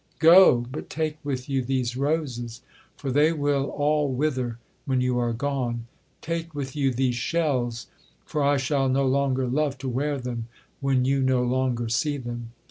Go,—but take with you these roses, for they will all wither when you are gone!—take with you these shells, for I shall no longer love to wear them when you no longer see them!'